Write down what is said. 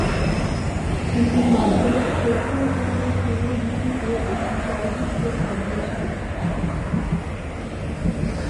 এটি মাদ্রাজ প্রথম পূর্ণসময় ভিত্তিতে একটি চলচ্চিত্র পর্দা ছিল।